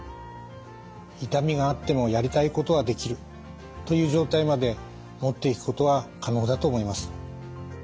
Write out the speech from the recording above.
痛みがあってもやりたいことはできるという状態まで持っていくことは可能だと思います。